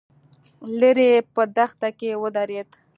ليرې په دښته کې ودرېد.